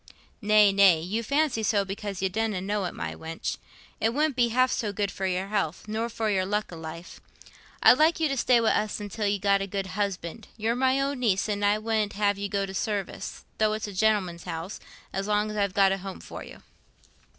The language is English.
"Nay, nay; you fancy so because you donna know it, my wench. It wouldn't be half so good for your health, nor for your luck i' life. I'd like you to stay wi' us till you've got a good husband: you're my own niece, and I wouldn't have you go to service, though it was a gentleman's house, as long as I've got a home for you."